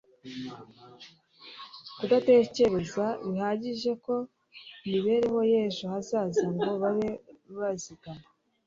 kudatekereza bihagije ku mibereho y'ejo hazaza ngo babe bazigama